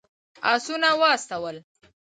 آسونه واستول.